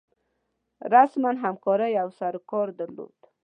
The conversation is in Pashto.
رسما همکاري او سروکار درلود.